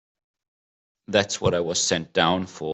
That's what I was sent down for.